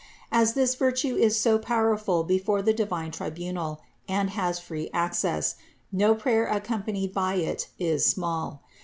As this virtue is so powerful before the divine tribunal and has free access, no prayer accompanied by it is small.